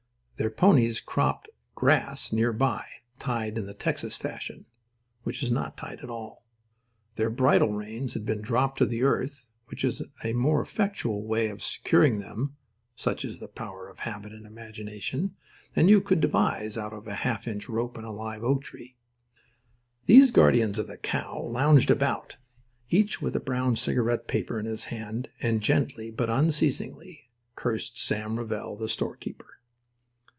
Their ponies cropped grass near by, tied in the Texas fashion—which is not tied at all. Their bridle reins had been dropped to the earth, which is a more effectual way of securing them (such is the power of habit and imagination) than you could devise out of a half inch rope and a live oak tree. These guardians of the cow lounged about, each with a brown cigarette paper in his hand, and gently but unceasingly cursed Sam Revell, the storekeeper.